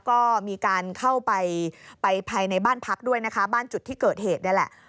ก็มีการเข้าไปไปภายในบ้านพักด้วยนะคะบ้านจุดที่เกิดเหตุนี่แหละ